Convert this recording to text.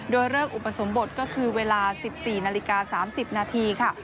โดยเลิกอุปสมบทก็คือเวลา๑๔นาฬิกา๓๐นาทีค่ะ